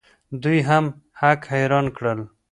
دوی هم هک حیران کړل.